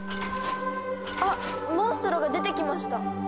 あっモンストロが出てきました。